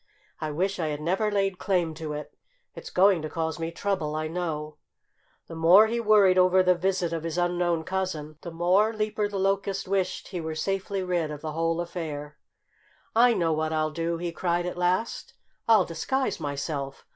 "I wish I had never laid claim to it. It's going to cause me trouble, I know!" The more he worried over the visit of his unknown cousin, the more Leaper the Locust wished he were safely rid of the whole affair. "I know what I'll do!" he cried at last. "I'll disguise myself.